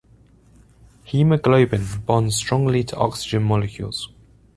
Hemoglobin bonds strongly to oxygen molecules.